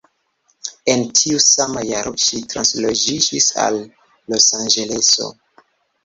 En tiu sama jaro ŝi transloĝiĝis al Losanĝeleso.